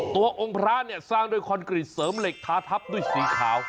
องค์พระเนี่ยสร้างด้วยคอนกรีตเสริมเหล็กท้าทับด้วยสีขาว